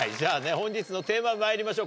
本日のテーマにまいりましょう。